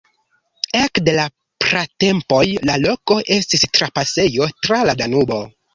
Ekde la pratempoj la loko estis trapasejo tra la Danubo.